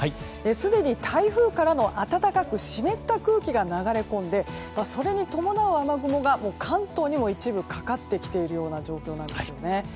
すでに台風からの暖かく湿った空気が流れ込んでそれに伴う雨雲が関東に一部かかってきているような状況なんですよね。